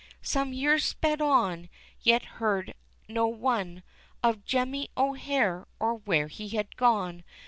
Some years sped on Yet heard no one Of Jemmy O'Hare, or where he had gone.